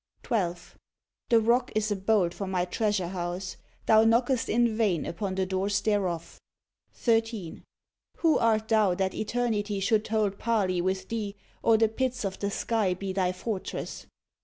12. The rock is a bolt for My treasure house. Thou knockest in vain upon the doors thereof. 13. Who art thou that eternity should hold parley with thee, or the pits of the sky be thy fortress?